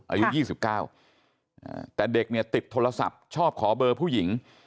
อายุ๒๙แต่เด็กเนี่ยติดโทรศัพท์ชอบขอเบอร์ผู้หญิง